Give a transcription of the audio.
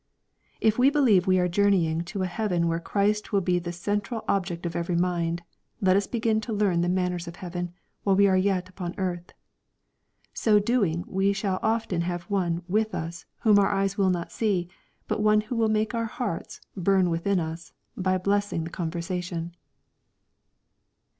If we believe we are journeying to a heaven where Christ will be the central object of every mind, let us begin to learn the manners of heaven, while we are yet upon earth. Sd doing we shall often have One with us whom our eyes will not see, but One who will make our hearts '^ burn within us' by blessing the conversation.